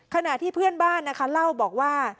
ขณะที่เพื่อนบ้านนะคะเล่าบอกว่า